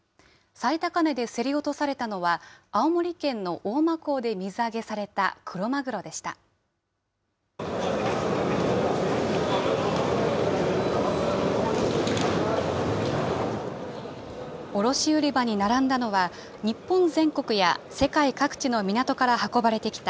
最高値で競り落とされたのは、青森県の大間港で水揚げされたクロマグロでした。